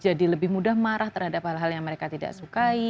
jadi lebih mudah marah terhadap hal hal yang mereka tidak sukai